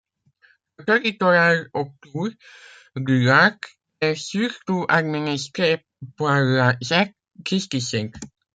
Le territoire autour du lac est surtout administré par la Zec Kiskissink.